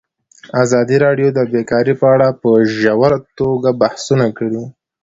ازادي راډیو د بیکاري په اړه په ژوره توګه بحثونه کړي.